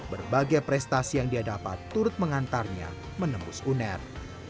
berbagai prestasi yang dia dapat turut mengantarnya menembus uner